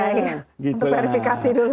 iya iya untuk verifikasi dulu